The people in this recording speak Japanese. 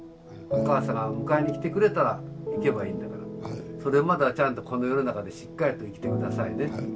お母さんが迎えに来てくれたら逝けばいいんだからそれまでちゃんとこの世の中でしっかりと生きて下さいね。